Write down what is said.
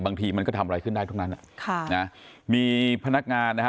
บางทีมันก็ทำอะไรขึ้นได้ทุกนั้นอ่ะค่ะนะมีพนักงานนะฮะ